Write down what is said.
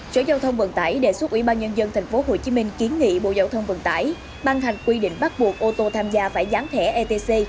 sở giao thông vận tải đề xuất ubnd tp hcm kiến nghị bộ giao thông vận tải ban hành quy định bắt buộc ô tô tham gia phải gián thẻ etc